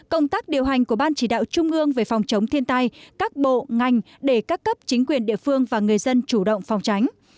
công tác điều hành của ban chỉ đạo trung ương về phòng chống thiên tai các bộ ngành để các cấp chính quyền địa phương và người dân chủ động phòng tránh